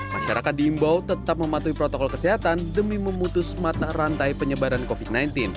masyarakat diimbau tetap mematuhi protokol kesehatan demi memutus mata rantai penyebaran covid sembilan belas